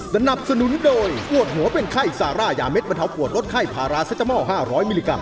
สนับสนุนโดยปวดหัวเป็นไข้ซาร่ายาเด็ดบรรเทาปวดลดไข้พาราเซตามอล๕๐๐มิลลิกรั